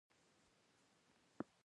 ولایتونه د افغانستان یو ډول طبعي ثروت دی.